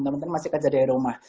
teman teman masih kerja dari rumah